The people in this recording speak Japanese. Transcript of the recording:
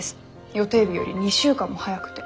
予定日より２週間も早くて。